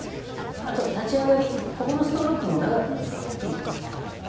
あと立ち上がり、ストロークが長くなった方がきれいですから。